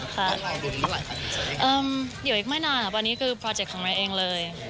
ค่ะอยู่อีกไม่นานครับอันนี้คือของของเราเองเลย